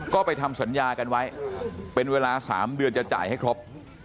ก็ไปทำสัญญากันไว้เป็นเวลา๓เดือนจะจ่ายให้ครบ